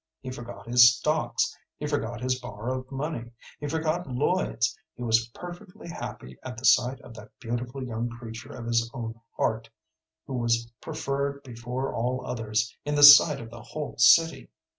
He forgot his stocks, he forgot his borrowed money, he forgot Lloyd's; he was perfectly happy at the sight of that beautiful young creature of his own heart, who was preferred before all others in the sight of the whole city.